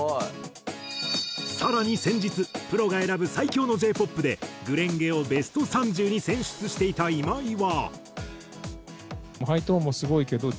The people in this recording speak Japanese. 更に先日プロが選ぶ最強のＪ−ＰＯＰで『紅蓮華』をベスト３０に選出していた今井は。